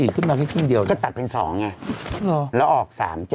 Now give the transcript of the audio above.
ขึ้นมาแค่ครึ่งเดียวก็ตัดเป็น๒ไงแล้วออก๓๗